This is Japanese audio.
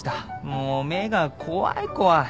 もう目が怖い怖い。